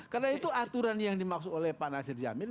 karena itu aturan yang dimaksud oleh pak nasir jamil